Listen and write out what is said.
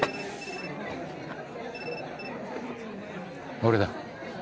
俺だ。